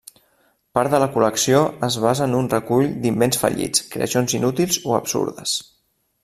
Part de la col·lecció es basa en un recull d'invents fallits, creacions inútils o absurdes.